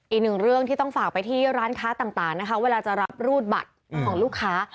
อีกหนึ่งเรื่องที่ต้องฝากไปที่ร้านค้าต่างนะคะเวลาจะรับรูดบัตรของลูกค้า